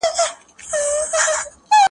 له تېغونو به سرې ويني راڅڅېږي `